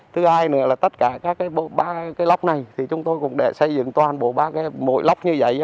thứ hai là tất cả các bộ ba cái lóc này thì chúng tôi cũng đã xây dựng toàn bộ ba cái lóc như vậy